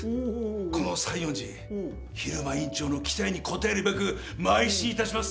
この西園寺、蛭間院長の期待に応えるべく、まい進いたします。